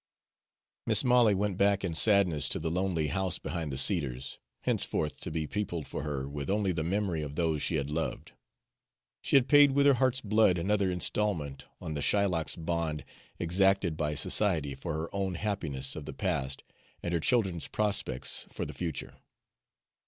Mis' Molly went back in sadness to the lonely house behind the cedars, henceforth to be peopled for her with only the memory of those she had loved. She had paid with her heart's blood another installment on the Shylock's bond exacted by society for her own happiness of the past and her children's prospects for the future.